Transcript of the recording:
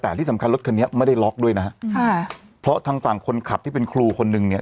แต่ที่สำคัญรถคันนี้ไม่ได้ล็อกด้วยนะฮะค่ะเพราะทางฝั่งคนขับที่เป็นครูคนนึงเนี่ย